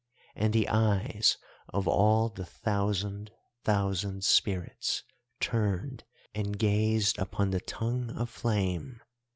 And the eyes of all the thousand thousand spirits turned and gazed upon the Tongue of Flame.